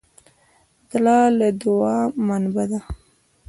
زړه د دوعا منبع ده.